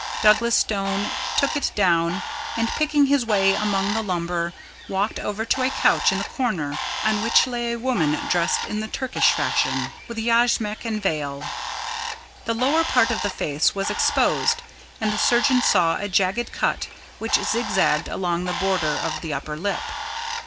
Douglas Stone took it down, and picking his way among the lumber, walked over to a couch in the corner, on which lay a woman dressed in the Turkish fashion, with yashmak and veil. The lower part of the face was exposed, and the surgeon saw a jagged cut which zigzagged along the border of the under lip.